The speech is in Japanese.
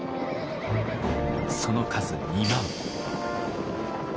その数２万。